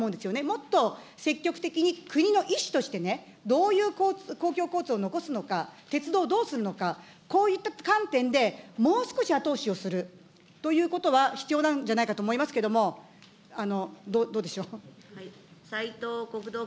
もっと積極的に国の意思としてね、どういう公共交通を残すのか、鉄道をどうするのか、こういった観点でもう少し後押しをするということは必要なんじゃないかと思いますけれども、どうでしょう。